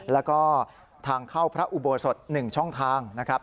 แล้วก็ทางเข้าพระอุโบสถ๑ช่องทางนะครับ